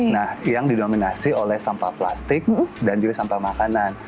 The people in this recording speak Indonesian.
nah yang didominasi oleh sampah plastik dan juga sampah makanan